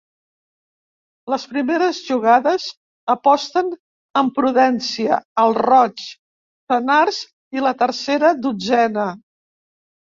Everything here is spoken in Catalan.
Les primeres jugades aposten amb prudència, al roig, senars i la tercera dotzena.